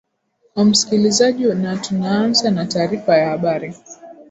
u musikilizaji na tunaanza na taarifa ya habari